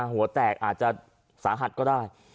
หัวแตกอาจจะสาหัสก็ได้